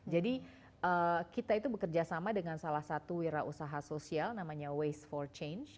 jadi kita itu bekerja sama dengan salah satu wirausaha sosial namanya waste for change